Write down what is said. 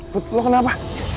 put lo kenapa